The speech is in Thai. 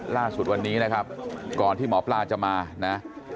ล่าสุดวันนี้นะครับก่อนที่หมอปลาจะมานะ